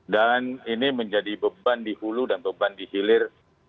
dan ini menjadi beban di hulu dan beban di hilir